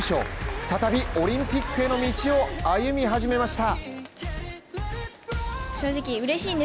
再びオリンピックへの道を歩み始めました。